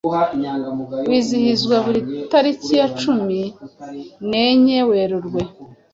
wizihizwa buri tariki ya cumi nenye Werurwe